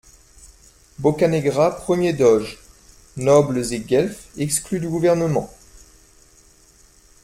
- Boccanegra premier doge.- Nobles et guelfes exclus du gouvernement.